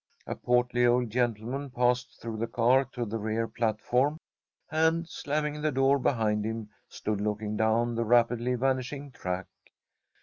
A portly old gentleman passed through the car to the rear platform, and, slamming the door behind him, stood looking down the rapidly vanishing track.